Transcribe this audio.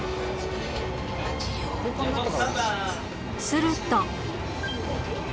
すると。